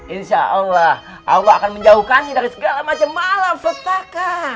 insyaallah allah akan menjauhkannya dari segala macam malam vertaka